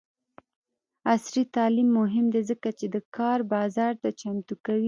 عصري تعلیم مهم دی ځکه چې د کار بازار ته چمتو کوي.